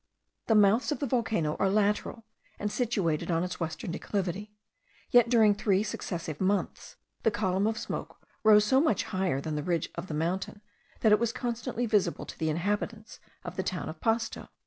The mouths of the volcano are lateral, and situated on its western declivity, yet during three successive months the column of smoke rose so much higher than the ridge of the mountain that it was constantly visible to the inhabitants of the town of Pasto.